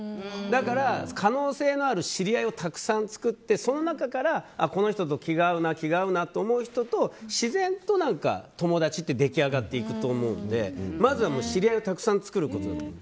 だから可能性のある知り合いをたくさん作ってその中からこの人と気が合うなと思う人と自然と友達って出来上がっていくと思うのでまずは知り合いをたくさん作ることだと思う。